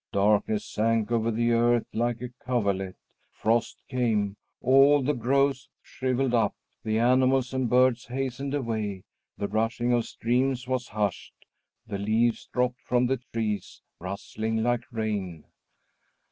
Darkness sank over the earth, like a coverlet; frost came, all the growths shrivelled up; the animals and birds hastened away; the rushing of streams was hushed; the leaves dropped from the trees, rustling like rain.